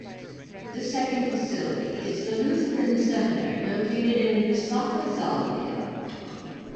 The second facility is the "Lutheran Seminary" located in Lusaka, Zambia.